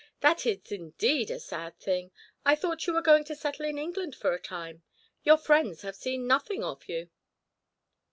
That is indeed a sad thing; I thought you were going to settle in England for a time; your friends have seen nothing of you."